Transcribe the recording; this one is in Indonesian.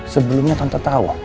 sebelumnya tante tak bisa mencari